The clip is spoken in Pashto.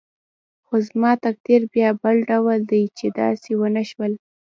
خو زما تقدیر بیا بل ډول دی چې داسې ونه شول.